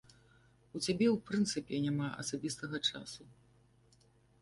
У цябе ў прынцыпе няма асабістага часу.